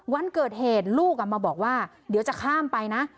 วันเกิดเหตุลูกมาบอกว่าเดี๋ยวจะข้ามไปนะ